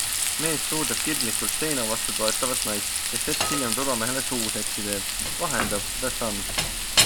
Mees suudleb kirglikult seina vastu toetavat naist, kes hetk hiljem turvamehele suuseksi teeb, vahendab The Sun.